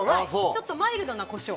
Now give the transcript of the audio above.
ちょっとマイルドなコショウ。